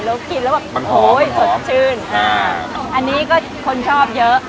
แล้วกินแล้วแบบปังหอมปังหอมสดชื่นน่าอันนี้ก็คนชอบเยอะ